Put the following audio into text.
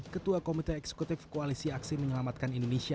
ketua komite eksekutif koalisi aksi menyelamatkan indonesia